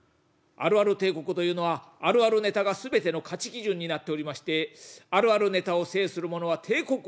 「あるある帝国というのはあるあるネタが全ての価値基準になっておりましてあるあるネタを制する者は帝国を制す。